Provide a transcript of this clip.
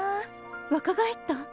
若返った？